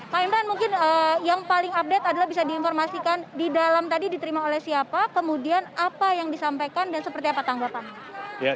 pak imran mungkin yang paling update adalah bisa diinformasikan di dalam tadi diterima oleh siapa kemudian apa yang disampaikan dan seperti apa tanggapan